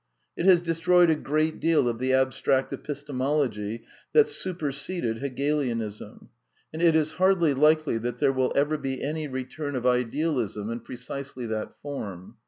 ^ It has destroyed a great deal of the abstract Epistemology i that superseded Hegelianism, and it is hardly likely that (^ there will ever be any return of Idealism in precisely that V^ form.